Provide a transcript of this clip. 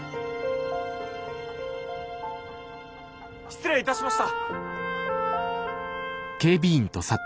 失礼いたしました。